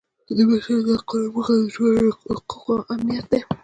د بشر د حقونو موخه د ټولنې حقوقو امنیت دی.